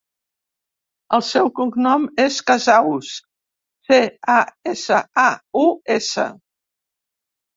El seu cognom és Casaus: ce, a, essa, a, u, essa.